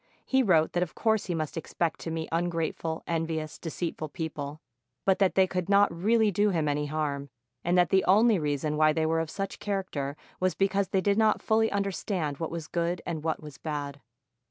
He wrote that of course he must expect to meet ungrateful, envious, deceitful people; but that they could not really do him any harm, and that the only reason why they were of such charac ter was because they did not fully understand what was good and what was bad.